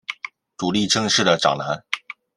足利政氏的长男。